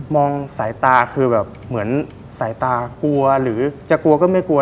สายตาคือแบบเหมือนสายตากลัวหรือจะกลัวก็ไม่กลัว